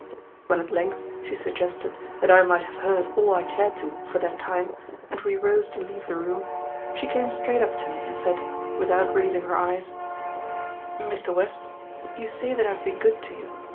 When at length she suggested that I might have heard all I cared to, for that time, and we rose to leave the room, she came straight up to me and said, without raising her eyes, "Mr. West, you say I have been good to you.